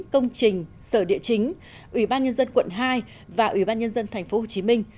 công trình sở địa chính ủy ban nhân dân quận hai và ủy ban nhân dân tp hcm